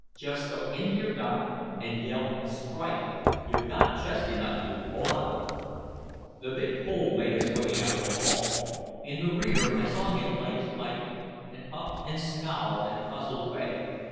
"Just go into your dock and yell 'Strike!' You've got chest enough, you Pollock." The big Pole made his way out of the hall. In the rear I saw him light his pipe and puff and scowl in a puzzled way.